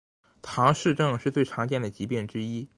唐氏症是最常见的疾病之一。